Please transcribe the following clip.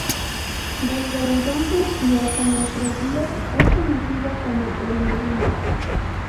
Desde entonces y hasta nuestros días, es conocido como "El Molino".